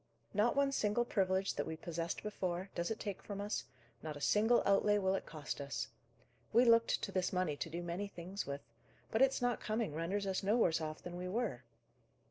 Not one single privilege that we possessed before, does it take from us; not a single outlay will it cost us. We looked to this money to do many things with; but its not coming renders us no worse off than we were.